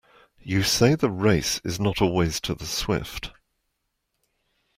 You say the race is not always to the swift.